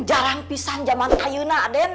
jarang pisan zaman kayu na aden